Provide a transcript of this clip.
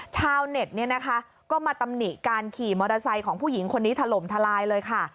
ชาวเน็ตเนี่ยนะคะก็มาตำหนิการขี่มอเตอร์ไซค์ของผู้หญิงคนนี้ถล่มทลายเลยค่ะ